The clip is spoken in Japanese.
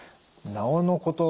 なおのこと